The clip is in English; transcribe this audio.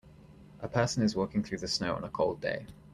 A person is walking through the snow on a cold day.